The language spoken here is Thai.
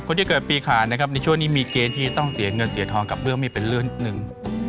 คนที่เกิดปีขาดนะครับในช่วงนี้มีเกณฑ์ที่จะต้องเสียเงินเสียทองกับเรื่องไม่เป็นเรื่องหนึ่ง